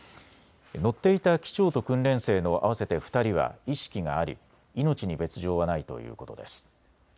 乗っていた機長と訓練生の合わせて２人は意識があり命に別状はないということです。